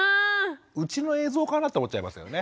うちの映像かなと思っちゃいましたよね。